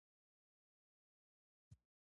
د مشابه دندو مدغم کول پکې شامل دي.